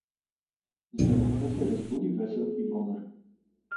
Заранта се разбуди весел и бодър.